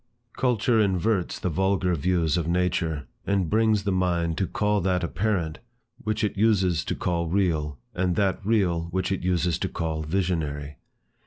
Culture inverts the vulgar views of nature, and brings the mind to call that apparent, which it uses to call real, and that real, which it uses to call visionary.